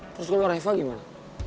terus kalau reva gimana